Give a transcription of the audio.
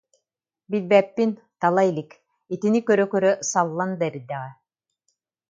Билбэппин, тала илик, итини көрө-көрө саллан да эрдэҕэ